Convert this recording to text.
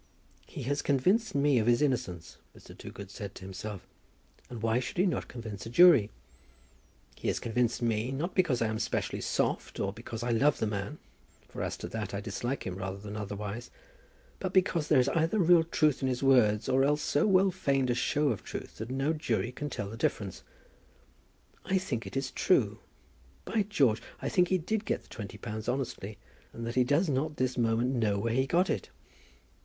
"He has convinced me of his innocence," Mr. Toogood said to himself, "and why should he not convince a jury? He has convinced me, not because I am specially soft, or because I love the man, for as to that I dislike him rather than otherwise; but because there is either real truth in his words, or else so well feigned a show of truth that no jury can tell the difference. I think it is true. By George, I think he did get the twenty pounds honestly, and that he does not this moment know where he got it.